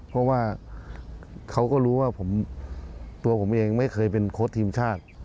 เพราะว่าเขาก็รู้ว่าตัวผมเองไม่เคยเป็นโค้ดทีมชาติ